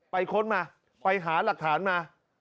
ค้นมาไปหาหลักฐานมา